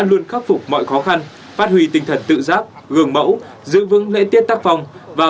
luôn khắc phục mọi khó khăn phát huy tinh thần tự giáp gường mẫu giữ vững lễ tiết tác phòng và